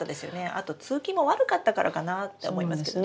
あと通気も悪かったからかなって思いますけどね。